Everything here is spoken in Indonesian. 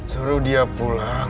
suruh dia pulang